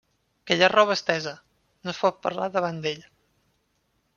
Que hi ha roba estesa! No es pot parlar davant d’ell.